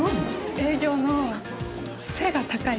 営業の背が高い。